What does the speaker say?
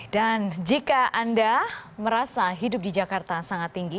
dan jika anda merasa hidup di jakarta sangat tinggi